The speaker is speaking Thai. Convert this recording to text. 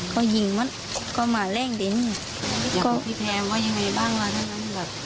ก็ยิงมัดก็มาแล่งแต่นี้อย่างพี่แพมว่ายังไงบ้างว่าท่านน้ำ